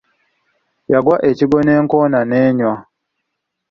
Yagwa ekigwo n'enkoona nenywa.